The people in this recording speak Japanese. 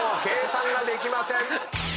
計算ができません。